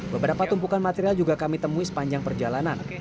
beberapa tumpukan material juga kami temui sepanjang perjalanan